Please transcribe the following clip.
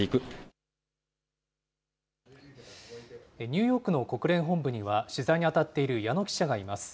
ニューヨークの国連本部には、取材に当たっている矢野記者がいます。